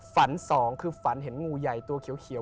สองคือฝันเห็นงูใหญ่ตัวเขียว